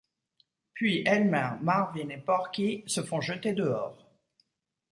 Puis Elmer, Marvin et Porky se font jeter dehors.